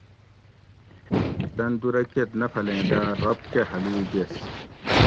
تن دُو رکیت نفلیں داۤ رب کہ ہلوئ گیس